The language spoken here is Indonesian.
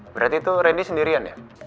berarti itu randy sendirian ya